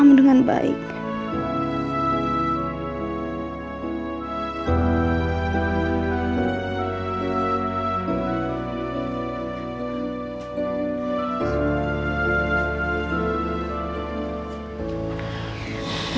masih ada yang nunggu